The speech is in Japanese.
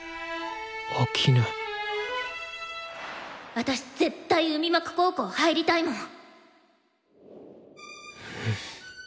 私絶対海幕高校入りたいもん！